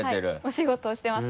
お仕事してます。